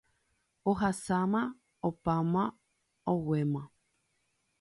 Ohasáma, opáma, oguéma.